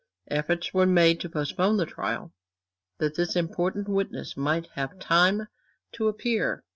Efforts were made to postpone the trial, that this important witness might have time to appear.